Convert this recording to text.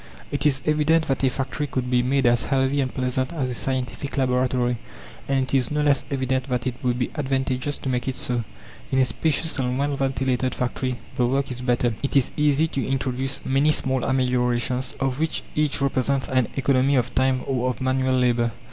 It is evident that a factory could be made as healthy and pleasant as a scientific laboratory. And it is no less evident that it would be advantageous to make it so. In a spacious and well ventilated factory the work is better; it is easy to introduce many small ameliorations, of which each represents an economy of time or of manual labour.